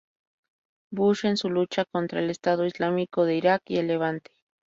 Bush en su lucha contra el Estado Islámico de Irak y el Levante.